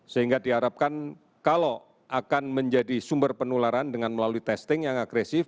sehingga diharapkan kalau akan menjadi sumber penularan dengan melalui testing yang agresif